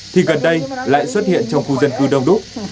thì gần đây lại xuất hiện trong khu dân cư đông đúc